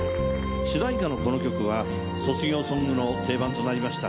主題歌のこの曲は卒業ソングの定番となりました。